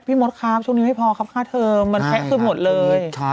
มดครับช่วงนี้ไม่พอครับค่าเทอมมันแพะสุดหมดเลย